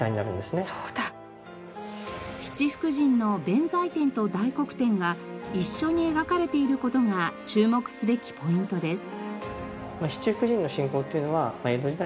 七福神の弁才天と大黒天が一緒に描かれている事が注目すべきポイントです。